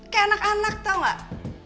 kayak anak anak tau gak